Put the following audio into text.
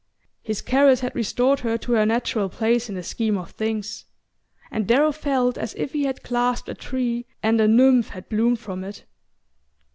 His caress had restored her to her natural place in the scheme of things, and Darrow felt as if he had clasped a tree and a nymph had bloomed from it...